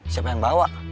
siapa yang bawa